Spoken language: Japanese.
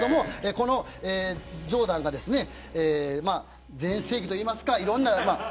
このジョーダンが全盛期というか、いろんな。